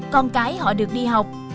con cái họ được tạo ra nhiều hơn